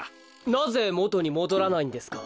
なぜもとにもどらないんですか？